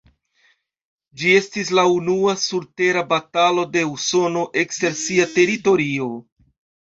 Ĝi estis la unua surtera batalo de Usono ekster sia teritorio.